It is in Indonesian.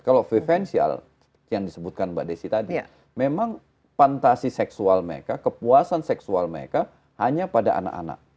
kalau prevensial yang disebutkan mbak desi tadi memang fantasi seksual mereka kepuasan seksual mereka hanya pada anak anak